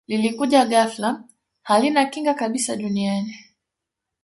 lilikuja ghafla halina kinga kabisa duniani